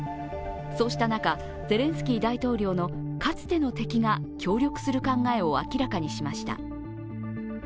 そうした中、ゼレンスキー大統領のかつての敵が協力する考えを明らかにしました。